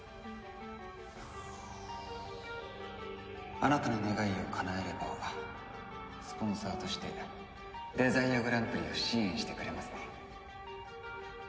あなたの願いをかなえればスポンサーとしてデザイアグランプリを支援してくれますね？